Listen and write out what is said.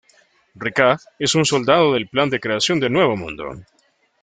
Rika es una soldado del Plan de Creación del Nuevo Mundo.